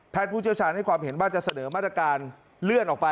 ผู้เชี่ยวชาญให้ความเห็นว่าจะเสนอมาตรการเลื่อนออกไป